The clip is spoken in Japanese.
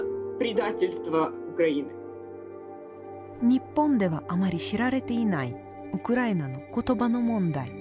日本ではあまり知られていないウクライナの言葉の問題。